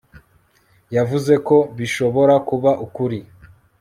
yavuze ko bishobora kuba ukuri